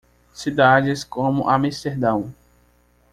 Cidades como Amesterdão